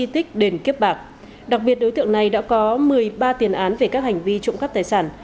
tích đền kiếp bạc đặc biệt đối tượng này đã có một mươi ba tiền án về các hành vi trộm cắp tài sản